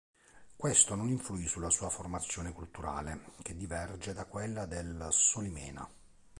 Questo non influì sulla sua formazione culturale, che diverge da quella del Solimena.